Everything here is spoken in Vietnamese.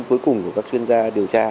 đến cuối cùng của các chuyên gia điều tra